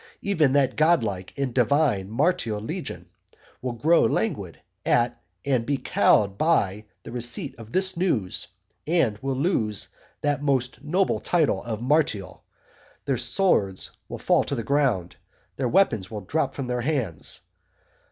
Even that godlike and divine Martial legion will grow languid at and be cowed by the receipt of this news, and will lose that most noble title of Martial, their swords will fall to the ground, their weapons will drop from their hands.